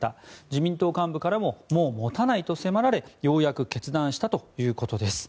自民党幹部からももう持たないと迫られようやく決断したということです。